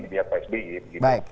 di pihak pak spy